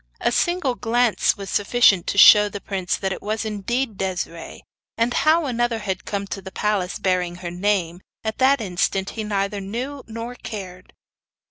A single glance was sufficient to show the prince that it was indeed Desiree; and how another had come to the palace bearing her name, at that instant he neither knew nor cared.